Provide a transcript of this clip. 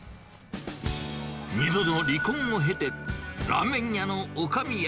２度の離婚を経て、ラーメン屋のおかみへ。